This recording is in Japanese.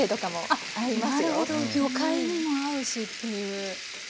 あっなるほど魚介にも合うしっていう。